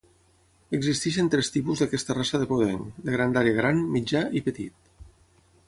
Existeixen tres tipus d'aquesta raça de podenc: de grandària gran, mitjà i petit.